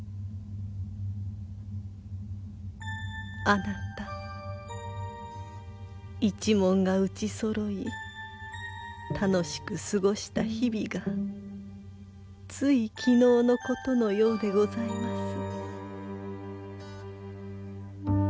あなた一門が打ちそろい楽しく過ごした日々がつい昨日のことのようでございます。